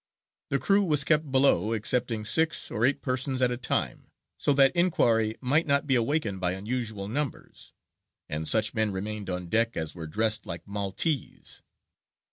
The crew was kept below, excepting six or eight persons at a time, so that inquiry might not be awakened by unusual numbers; and such men remained on deck as were dressed like Maltese.